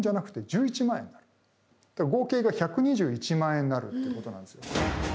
だから合計が１２１万円になるということなんですよ。